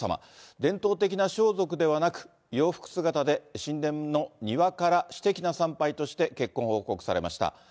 伝統的な装束ではなく、洋服姿で神殿の庭から私的な参拝として結婚を報告されました。